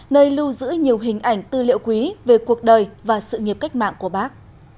nơi lưu giữ nhiều hình ảnh tư liệu quý về cuộc đời và sự nghiệp cách mạng của bác